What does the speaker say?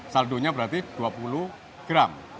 saldonya berarti dua puluh gram